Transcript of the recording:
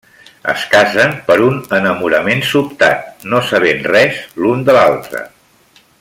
Es casen per un enamorament sobtat, no sabent res l'un de l'altre.